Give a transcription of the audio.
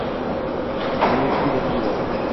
kanalga ham joylanadi.